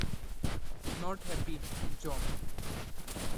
'Not happy, John!